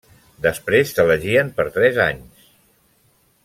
Després s'elegien per tres anys.